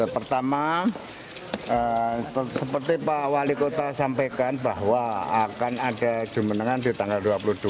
pertama seperti pak wali kota sampaikan bahwa akan ada jumenengan di tanggal dua puluh dua